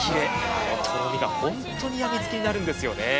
あのとろみがホントに病み付きになるんですよね。